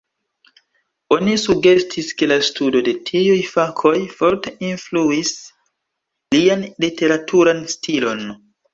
Oni sugestis ke la studo de tiuj fakoj forte influis lian literaturan stilon.